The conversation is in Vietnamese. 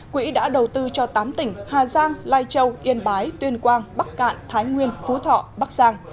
quỹ đã đầu tư cho tám tỉnh hà giang lai châu yên bái tuyên quang bắc cạn thái nguyên phú thọ bắc giang